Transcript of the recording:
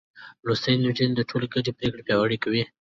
لوستې نجونې د ټولنې ګډې پرېکړې پياوړې کوي.